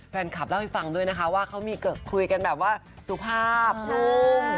แฟนคลับเล่าให้ฟังด้วยนะคะว่าเขามีคุยกันแบบว่าสุภาพนุ่ม